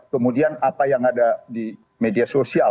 kemudian apa yang ada di media sosial